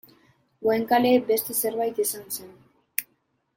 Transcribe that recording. Goenkale beste zerbait izan zen.